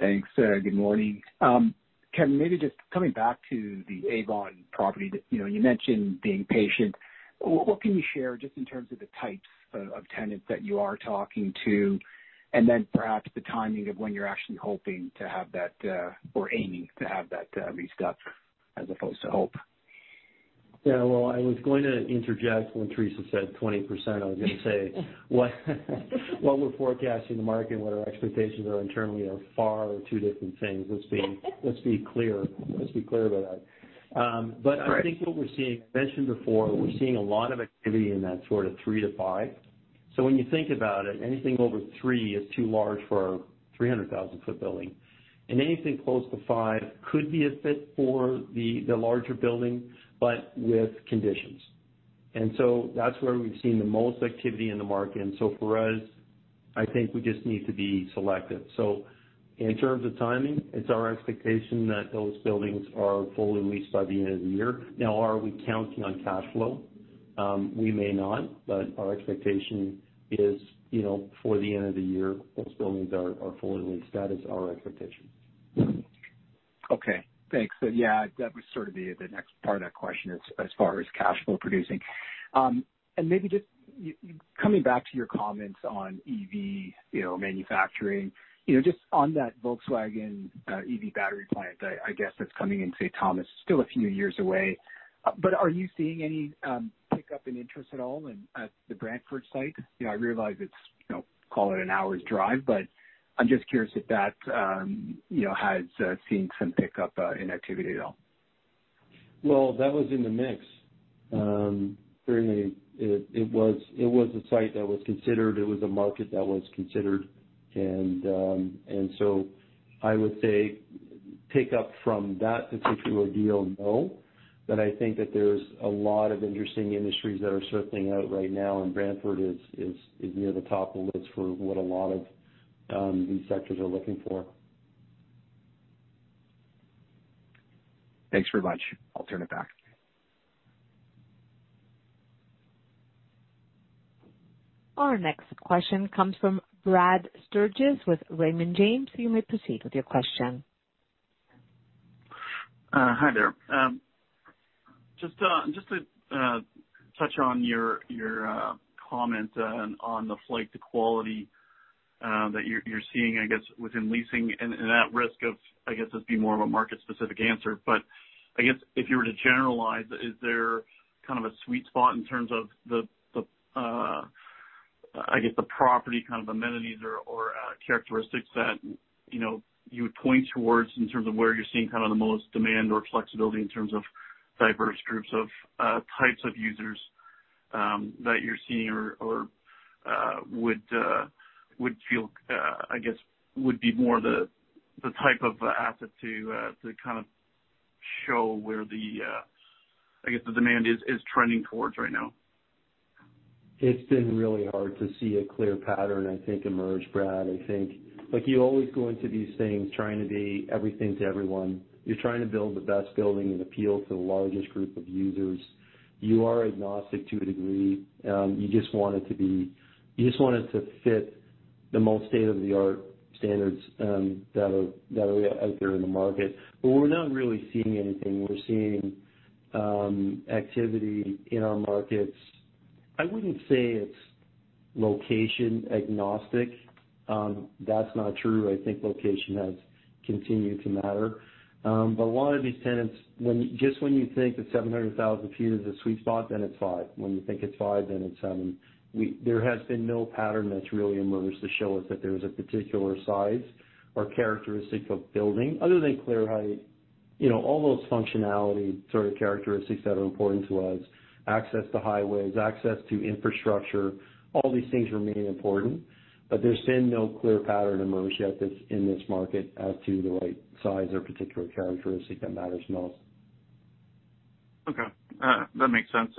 Thanks. Good morning. Kevin, maybe just coming back to the Avon property that you know, you mentioned being patient. What can you share just in terms of the types of tenants that you are talking to, and then perhaps the timing of when you're actually hoping to have that, or aiming to have that, leased up as opposed to hope? Yeah. Well, I was going to interject when Teresa said 20%. What we're forecasting the market and what our expectations are internally are far two different things. Let's be clear about that. Right. I think what we're seeing, I mentioned before, we're seeing a lot of activity in that sort of 3-5. When you think about it, anything over 3 is too large for our 300,000 foot building. Anything close to 5 could be a fit for the larger building, but with conditions. That's where we've seen the most activity in the market. For us, I think we just need to be selective. In terms of timing, it's our expectation that those buildings are fully leased by the end of the year. Are we counting on cash flow? We may not, but our expectation is, you know, before the end of the year, those buildings are fully leased. That is our expectation. Okay, thanks. Yeah, that would sort of be the next part of that question as far as cash flow producing. Maybe just you coming back to your comments on EV, you know, manufacturing. You know, just on that Volkswagen EV battery plant that I guess that's coming in St. Thomas, still a few years away, are you seeing any pickup and interest at all in at the Brantford site? You know, I realize it's, you know, call it an hour's drive, I'm just curious if that, you know, has seen some pickup in activity at all. Well, that was in the mix. Certainly, it was a site that was considered, it was a market that was considered. I would say pick up from that particular deal, no. I think that there's a lot of interesting industries that are circling out right now, and Brantford is near the top of the list for what a lot of these sectors are looking for. Thanks very much. I'll turn it back. Our next question comes from Brad Sturges with Raymond James. You may proceed with your question. Hi there. Just to touch on your comment on the flight to quality that you're seeing, I guess within leasing and at risk of, I guess, this being more of a market specific answer, but I guess if you were to generalize, is there kind of a sweet spot in terms of the I guess the property kind of amenities or characteristics that, you know, you would point towards in terms of where you're seeing kind of the most demand or flexibility in terms of diverse groups of types of users that you're seeing or would feel I guess would be more the type of asset to kind of show where the I guess the demand is trending towards right now? It's been really hard to see a clear pattern, I think, emerge, Brad. I think, like you always go into these things trying to be everything to everyone. You're trying to build the best building and appeal to the largest group of users. You are agnostic to a degree, you just want it to be, you just want it to fit the most state-of-the-art standards, that are out there in the market. We're not really seeing anything. We're seeing activity in our markets. I wouldn't say it's location agnostic. That's not true. I think location has continued to matter. But a lot of these tenants, just when you think that 700,000 feet is a sweet spot, then it's 5. When you think it's 5, then it's 7. There has been no pattern that's really emerged to show us that there's a particular size or characteristic of building other than clear height. You know, all those functionality sort of characteristics that are important to us, access to highways, access to infrastructure, all these things remain important. There's been no clear pattern emerged yet that's in this market as to the right size or particular characteristic that matters most. Okay. That makes sense.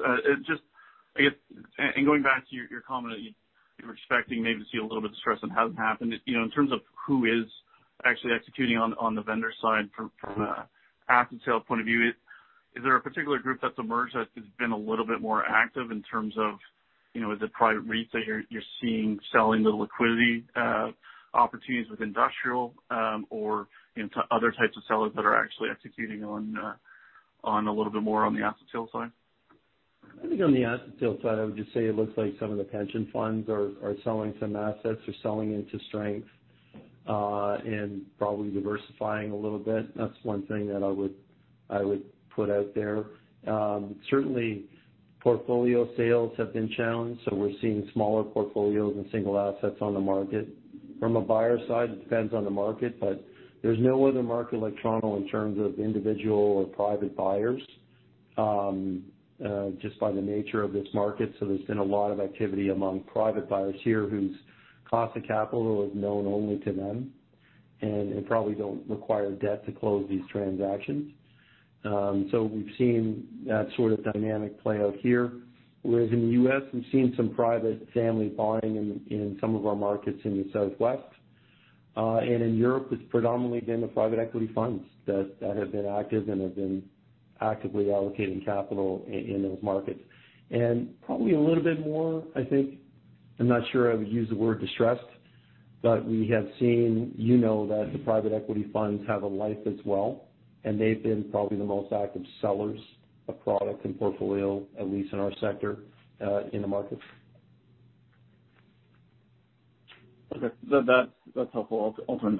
Going back to your comment that you're expecting maybe to see a little bit of stress that hasn't happened. You know, in terms of who is actually executing on the vendor side from a asset sale point of view, is there a particular group that's emerged that has been a little bit more active in terms of, you know, is it private REITs that you're seeing selling the liquidity opportunities with industrial or into other types of sellers that are actually executing on a little bit more on the asset sale side? I think on the asset sale side, I would just say it looks like some of the pension funds are selling some assets or selling into strength and probably diversifying a little bit. That's one thing that I would put out there. Certainly portfolio sales have been challenged, we're seeing smaller portfolios and single assets on the market. From a buyer side, it depends on the market, but there's no other market like Toronto in terms of individual or private buyers just by the nature of this market. There's been a lot of activity among private buyers here whose cost of capital is known only to them and probably don't require debt to close these transactions. We've seen that sort of dynamic play out here, whereas in the U.S., we've seen some private family buying in some of our markets in the Southwest. In Europe, it's predominantly been the private equity funds that have been active and have been actively allocating capital in those markets. Probably a little bit more, I think, I'm not sure I would use the word distressed, but we have seen, you know that the private equity funds have a life as well, and they've been probably the most active sellers of product and portfolio, at least in our sector, in the markets. Okay. That's helpful. I'll end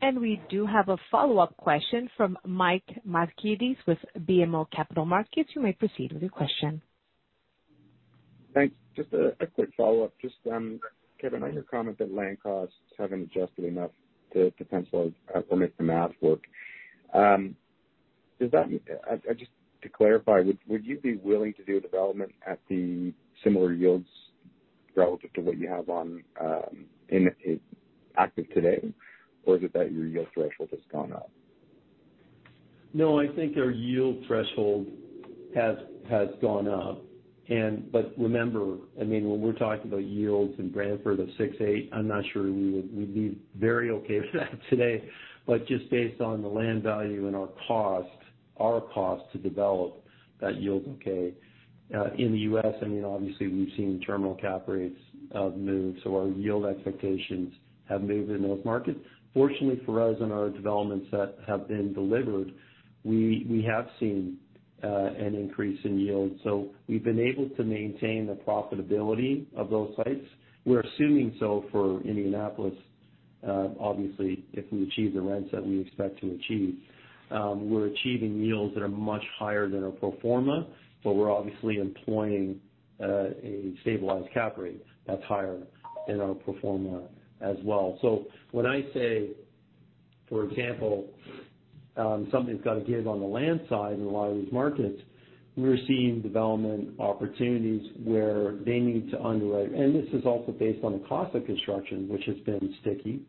that. Thanks a lot. We do have a follow-up question from Mike Markidis with BMO Capital Markets. You may proceed with your question. Thanks. Just a quick follow-up. Just, Kevan, on your comment that land costs haven't adjusted enough to pencil or make the math work. Does that mean, just to clarify, would you be willing to do development at the similar yields relative to what you have on in active today? Or is it that your yield threshold has gone up? No, I think our yield threshold has gone up. Remember, I mean, when we're talking about yields in Brantford of 6%-8%, I'm not sure we'd be very okay with that today. Just based on the land value and our cost to develop, that yield's okay. In the U.S., I mean, obviously we've seen terminal cap rates move, our yield expectations have moved in those markets. Fortunately for us, in our developments that have been delivered, we have seen an increase in yield. We've been able to maintain the profitability of those sites. We're assuming so for Indianapolis, obviously, if we achieve the rents that we expect to achieve. We're achieving yields that are much higher than our pro forma, but we're obviously employing a stabilized cap rate that's higher in our pro forma as well. When I say, for example, something's got to give on the land side in a lot of these markets, we're seeing development opportunities where they need to underwrite. This is also based on the cost of construction, which has been sticky.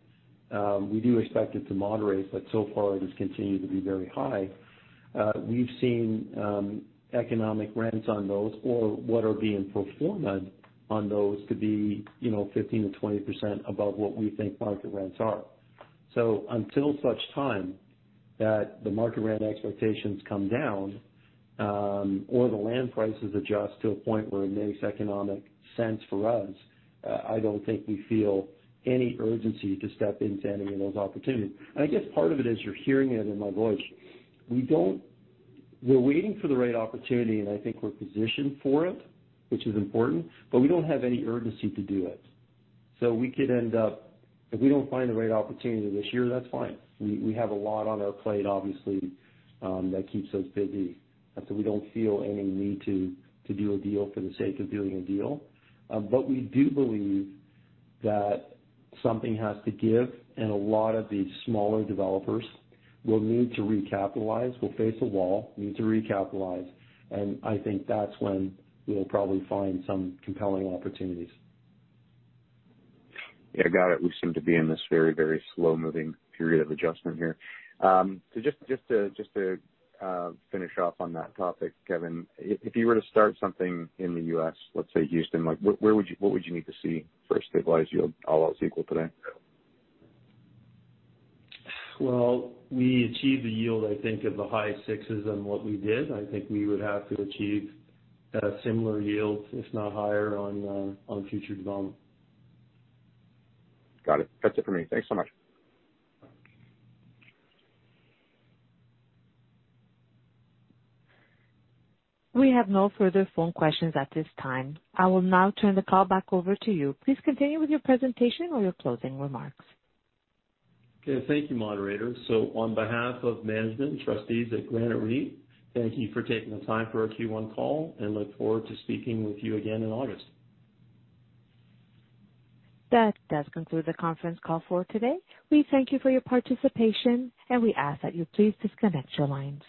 We do expect it to moderate, but so far it has continued to be very high. We've seen economic rents on those or what are being pro formad on those to be, you know, 15%-20% above what we think market rents are. Until such time that the market rent expectations come down, or the land prices adjust to a point where it makes economic sense for us, I don't think we feel any urgency to step into any of those opportunities. I guess part of it is you're hearing it in my voice. We're waiting for the right opportunity, and I think we're positioned for it, which is important, but we don't have any urgency to do it. If we don't find the right opportunity this year, that's fine. We have a lot on our plate, obviously, that keeps us busy. We don't feel any need to do a deal for the sake of doing a deal. We do believe that something has to give, and a lot of these smaller developers will need to recapitalize. We'll face a wall, need to recapitalize, and I think that's when we'll probably find some compelling opportunities. Yeah. Got it. We seem to be in this very, very slow-moving period of adjustment here. Just to finish off on that topic, Kevan, if you were to start something in the U.S., let's say Houston, like where would you what would you need to see for a stabilized yield all else equal today? Well, we achieved a yield, I think, of the high sixes on what we did. I think we would have to achieve a similar yield, if not higher, on future development. Got it. That's it for me. Thanks so much. Okay. We have no further phone questions at this time. I will now turn the call back over to you. Please continue with your presentation or your closing remarks. Okay. Thank you, moderator. On behalf of management and trustees at Granite REIT, thank you for taking the time for our Q1 call and look forward to speaking with you again in August. That does conclude the conference call for today. We thank you for your participation. We ask that you please disconnect your lines.